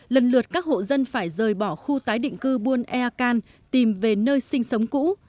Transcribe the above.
lần lượt các hộ dân phải rời bỏ khu tái định cư buôn ea can tìm về nơi sinh sống cũ